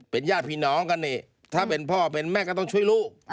เป็นญาติพี่น้องกันนี่ถ้าเป็นพ่อเป็นแม่ก็ต้องช่วยลูก